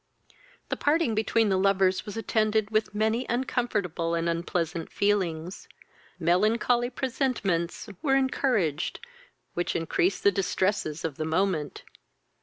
The parting between the lovers was attended with many uncomfortable and unpleasant feelings. Melancholy presentiments were encouraged, which increased the distresses of the moment.